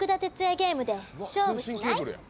ゲームで勝負しない？